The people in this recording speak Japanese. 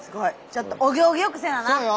ちょっとお行儀よくせなな。